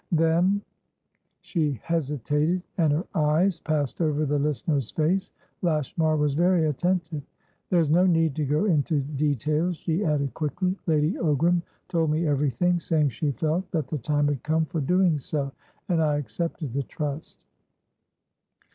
Then" She hesitated, and her eyes passed over the listener's face. Lashmar was very attentive. "There's no need to go into details," she added quickly. "Lady Ogram told me everything, saying she felt that the time had come for doing so. And I accepted the trust."